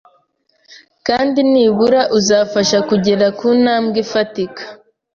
kandi nibura uzamufasha kugera ku ntambwe ifatika